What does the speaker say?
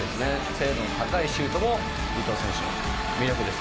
精度の高いシュートも伊藤選手の魅力ですね」